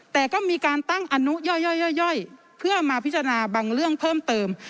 แต่ก็มีการตั้งอนุย่อยเพื่อมาพิจารณาบางเรื่องเพิ่มเติม